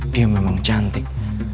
dia memang cantik